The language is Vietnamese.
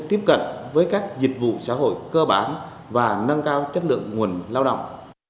tiếp cận với các dịch vụ xã hội cơ bản và nâng cao chất lượng nguồn lao động